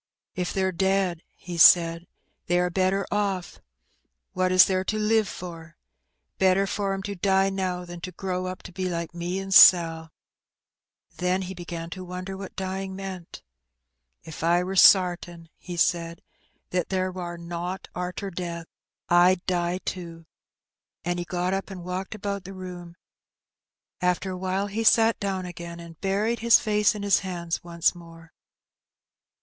"K they're dead," he said, "they are better oflF: what is there to live for ? Better for *em to die now thati to grow up to be Hke me and Sal.'' Then he began to wonder what dying meant. "If I wur sartin," he said, " that there wur nowt arter death, Fd die too." And he got up and walked about the room; after awhile he sat down again, and buried his face in his hands once more.